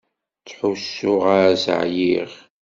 Ttḥussuɣ-as ɛyiɣ.